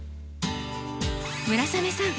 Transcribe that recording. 村雨さん